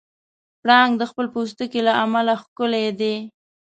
پړانګ د خپل پوستکي له امله ښکلی دی.